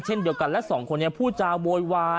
เช่นเดียวกันและสองคนนี้พูดจาโวยวาย